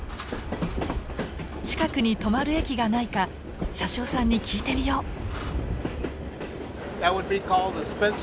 近くに止まる駅がないか車掌さんに聞いてみよう。